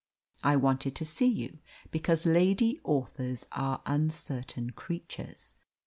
I wanted to see you, because lady authors are uncertain creatures.